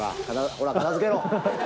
ほら片付けろ！